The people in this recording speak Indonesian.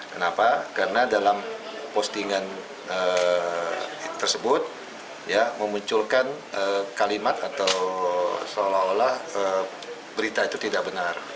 kenapa karena dalam postingan tersebut ya memunculkan kalimat atau seolah olah berita itu tidak benar